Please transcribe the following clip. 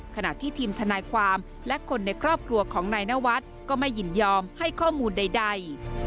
ขณะที่ทีมทนายความและคนในครอบครัวของนายนวัดก็ไม่ยินยอมให้ข้อมูลใด